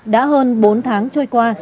đã hơn bốn tháng trôi qua